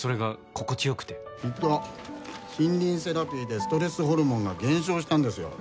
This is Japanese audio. きっと森林セラピーでストレスホルモンが減少したんですよ。